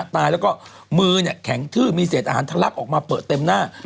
ตายแล้วก็มือแข็งทื้อมีเศษอาหารทะลักออกมาเปิดเต็มหน้า